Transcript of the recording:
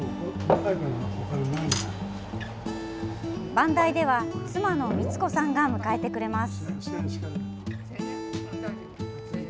番台では妻の光子さんが迎えてくれます。